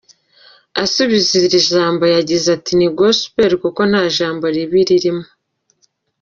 Asubiza iki kibazo yagize ati "Ni Gospel kuko nta jambo ribi ririmo.